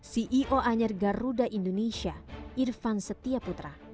ceo anyar garuda indonesia irfan setia putra